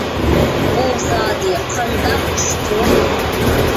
بۇ زادى قانداق ئىشتۇ؟